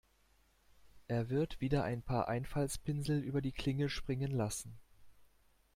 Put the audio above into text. Er wird wieder ein paar Einfaltspinsel über die Klinge springen lassen.